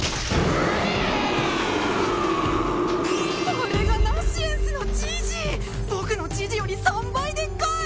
あれがナシエンスのじいじ僕のじいじより３倍でっかい！